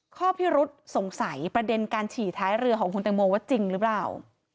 ข้อพิรุษสงสัยประเด็นการฉี่ท้ายเรือของคุณตังโมว่าจริงหรือเปล่า